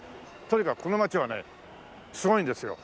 とにかくこの街はねすごいんですよ。